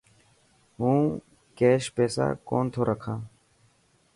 هون ڪيش پيسا ڪونه ٿو رکان.